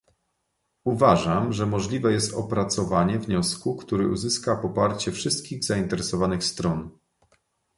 Uważam, że możliwe jest opracowanie wniosku, który uzyska poparcie wszystkich zainteresowanych stron